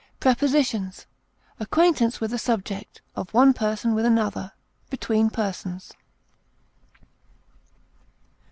Prepositions: Acquaintance with a subject; of one person with another; between persons.